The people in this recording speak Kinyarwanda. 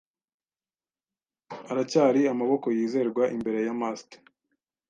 aracyari amaboko yizerwa imbere ya mast.